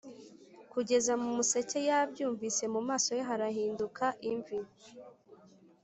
kugeza mu museke yabyumvise, mu maso he harahinduka imvi